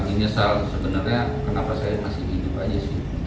menyesal sebenarnya kenapa saya masih hidup aja sih